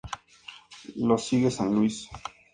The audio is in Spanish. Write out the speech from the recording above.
Lo sigue San Luis.